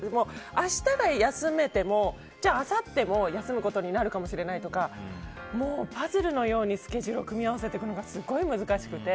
明日休めてもじゃああさっても休むことになるかもしれないとかパズルのようにスケジュールを組み合わせていくのがすごい難しくて。